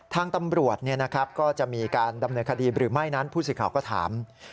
ทางตำรวจก็จะมีการดำเนินคดีหรือไม่นั้นผู้สื่อข่าวก็ถาม